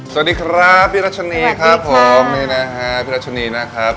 สวัสดีครับพี่รัชนีครับผมนี่นะฮะพี่รัชนีนะครับ